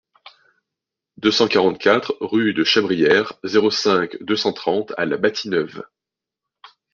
deux cent quarante-quatre rue de Chabrière, zéro cinq, deux cent trente à La Bâtie-Neuve